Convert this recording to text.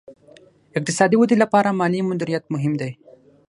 اقتصادي ودې لپاره مالي مدیریت مهم دی.